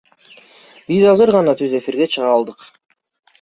Биз азыр гана түз эфирге чыга алдык.